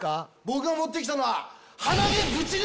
僕が持って来たのは。